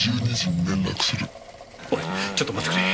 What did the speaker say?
おいちょっと待ってくれ。